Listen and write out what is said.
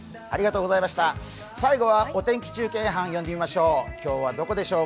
最後はお天気中継班を読んでみましょう。